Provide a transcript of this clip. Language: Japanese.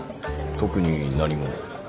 特に何も。